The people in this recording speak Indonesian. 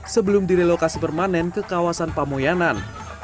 sebelum direlokasi permanen ke kawasan pamoyanan